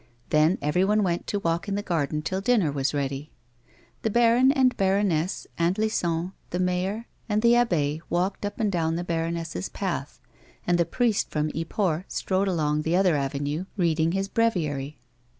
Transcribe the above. Then everyone went to walk in the garden till dinner was ready. The baron and baroness. Aunt Lison, the mayor, and the abbe walked up and down the baroness's path, and the priest from Yport strode along the other avenue reading his breviary.